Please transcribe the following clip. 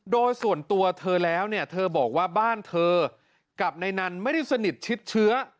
โดยส่วนตัวเธอแล้วเนี่ยเธอบอกว่าบ้านเธอกับในนั้นไม่ได้สนิทชิดเชื้อ